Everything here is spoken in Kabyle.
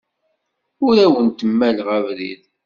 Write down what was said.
Ur awent-mmaleɣ abrid.